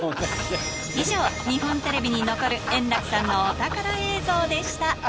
以上、日本テレビに残る円楽さんのお宝映像でした。